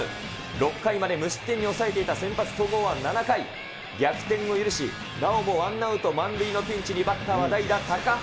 ６回まで無失点に抑えていた先発、戸郷は７回、逆転を許し、なおもワンアウト満塁のピンチにバッターは代打、高濱。